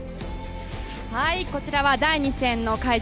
こちらは第２戦の会場